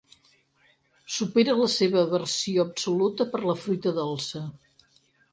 Supera la seva aversió absoluta per la fruita dolça.